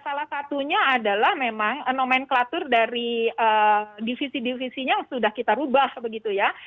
salah satunya adalah memang nomenklatur dari divisi divisinya sudah kita rubah begitu ya